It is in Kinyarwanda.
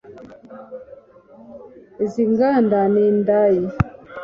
Iz'inganda n'indayi